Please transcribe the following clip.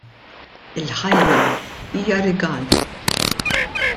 Il-Ħajja hija Rigal.